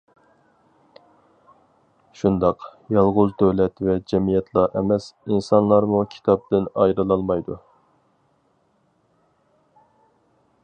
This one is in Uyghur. شۇنداق، يالغۇز دۆلەت ۋە جەمئىيەتلا ئەمەس، ئىنسانلارمۇ كىتابتىن ئايرىلالمايدۇ.